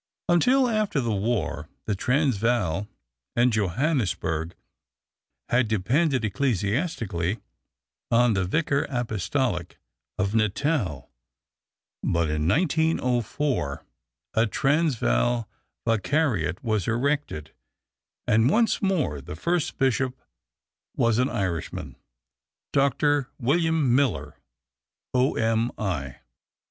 Until after the war, the Transvaal and Johannesburg had depended ecclesiastically on the Vicar Apostolic of Natal, but in 1904 a Transvaal Vicariate was erected, and once more the first bishop was an Irishman, Dr. William Miller, O.M.I.